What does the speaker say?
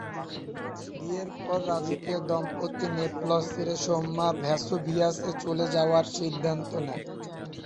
বিয়ের পর রাজকীয় দম্পতি নেপলস ছেড়ে সোমমা-ভেসুভিয়াসে চলে যাওয়ার সিদ্ধান্ত নেয়।